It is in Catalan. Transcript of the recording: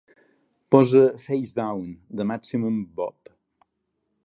posa "Facedown" de Maximum Bob